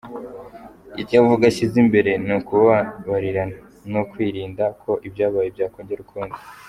Icyo avuga ashyize imbere ni ukubabarirana no kwirinda ko ibyabaye byakongera kuba ukundi.